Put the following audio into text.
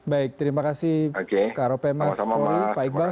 baik terima kasih pak ropemah spori pak iqbal